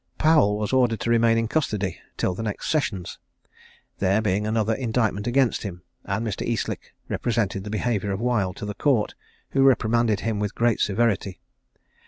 Powel was ordered to remain in custody till the next sessions, there being another indictment against him; and Mr. Eastlick represented the behaviour of Wild to the court, who reprimanded him with great severity.